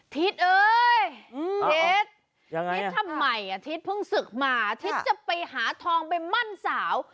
ทิศเอ้ยทิศทำไมอาทิตย์เพิ่งศึกมาทิศจะไปหาทองไปมั่นสาว